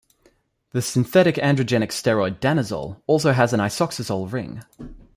The synthetic androgenic steroid danazol also has an isoxazole ring.